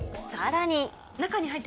さらに。